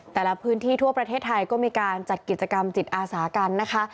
แต่ละพื้นที่ทั่วประเทศไทยก็มีการจัดกิจกรรมจิตอาสากันนะคะ